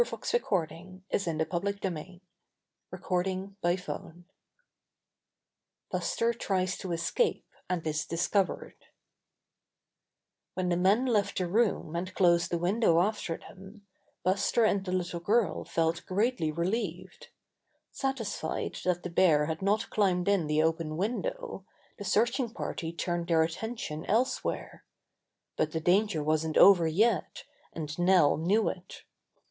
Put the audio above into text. t I I, \\ .4 I ^ I I 1 \ 4 1 J •■, I I STORY XIV Buster Tries to Escape and is Discovered When the men left the room and closed the window after them, Buster and the little girl felt greatly relieved. Satisfied that the bear had not climbed in the open window, the searching party turned their attention else where. But the danger wasn't over yet, and Nell knew it.